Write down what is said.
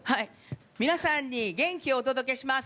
皆さんに元気をお届けします！